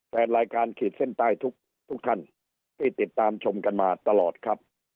แฟนรายการขีดเส้นใต้ทุกท่านที่ติดตามชมกันมาตลอดครับ